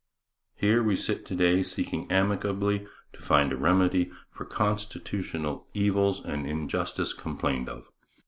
Here we sit to day seeking amicably to find a remedy for constitutional evils and injustice complained of.